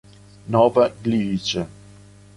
Nova Gliwice.